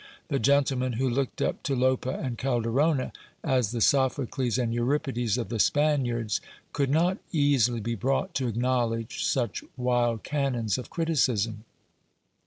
The gentle man, who looked up to Lope and Calderona as the Sophocles and Euripides of the Spaniards, could not easily be brought to acknowledge such wild canons of criticism.